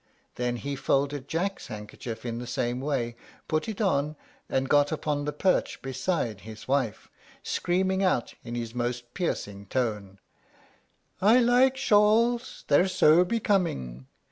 Then he folded Jack's handkerchief in the same way, put it on, and got upon the perch beside his wife, screaming out, in his most piercing tone, "I like shawls; they're so becoming."